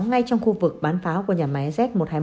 ngay trong khu vực bán pháo của nhà máy z một trăm hai mươi một